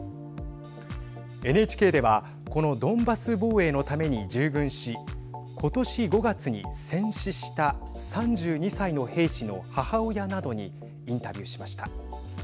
ＮＨＫではこのドンバス防衛のために従軍しことし５月に戦死した３２歳の兵士の母親などにインタビューしました。